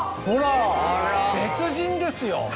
ほら別人ですよ。